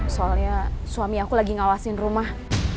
soalnya suami aku lagi ngawasin rumah